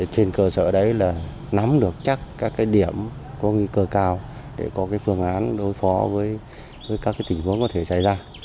trên cơ sở đấy là nắm được chắc các điểm có nguy cơ cao để có phương án đối phó với các tình huống có thể xảy ra